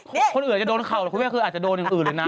คนอื่ออาจจะโดนเข่าครูเว้ยคืออาจจะโดนอย่างอื่นเลยนะ